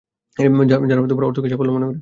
যারা অর্থকেই সাফল্য মনে করে।